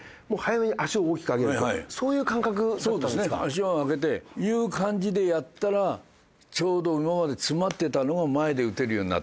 足を上げてという感じでやったらちょうど今まで詰まってたのが前で打てるようになったと。